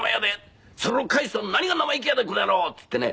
「それを返すとは生意気やでこの野郎！」って言ってね